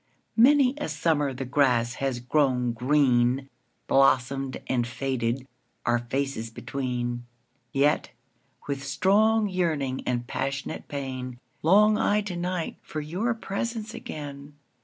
Many a summer the grass has grown green, Blossomed and faded, our faces between:Yet, with strong yearning and passionate pain, Long I to night for your presence again.